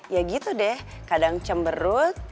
ya gitu deh kadang cemberut